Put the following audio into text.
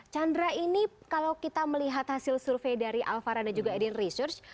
chandra ini kalau kita melihat hasil survei dari alvara dan juga edin research